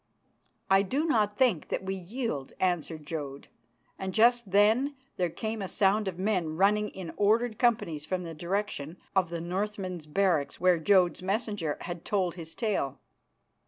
"I do not think that we yield," answered Jodd; and just then there came a sound of men running in ordered companies from the direction of the Northmen's barracks where Jodd's messenger had told his tale.